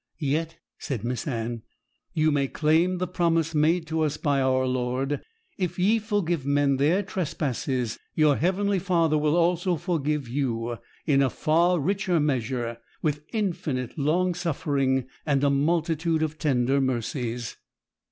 'Yet,' said Miss Anne, 'you may claim the promise made to us by our Lord: "If ye forgive men their trespasses, your heavenly Father will also forgive you," in a far richer measure, with infinite long suffering, and a multitude of tender mercies.'